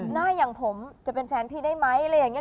หน้าอย่างผมจะเป็นแฟนพี่ได้ไหมอะไรอย่างนี้